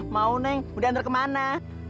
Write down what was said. mau neng udah antar kemana